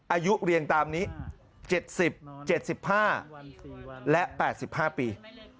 อายุเรียงตามนี้๗๐๗๕และ๘๕ปี